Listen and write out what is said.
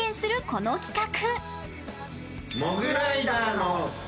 この企画。